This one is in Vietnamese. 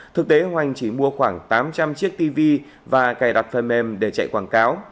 thực tế hoành chỉ mua khoảng tám trăm linh chiếc tv và cài đặt phần mềm để chạy quảng cáo